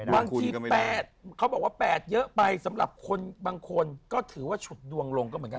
บางที๘เขาบอกว่า๘เยอะไปสำหรับคนบางคนก็ถือว่าฉุดดวงลงก็เหมือนกัน